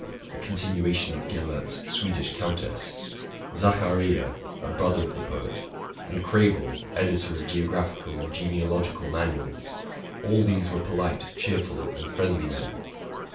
'' a continuation of Gellert's '* Swedish Countess ; Zacharia, a brother of the poet; and Krebel, editor of geo oraphical and genealogical manuals, — all these were polite, cheerful, and friendly men.